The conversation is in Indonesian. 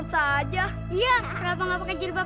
terima kasih ibu